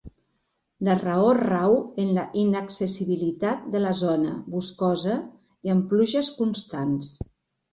La raó rau en la inaccessibilitat de la zona, boscosa i amb pluges constants.